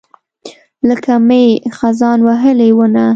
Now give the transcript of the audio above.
لکه مئ، خزان وهلې ونه